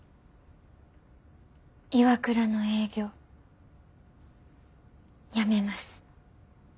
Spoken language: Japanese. ＩＷＡＫＵＲＡの営業辞めます。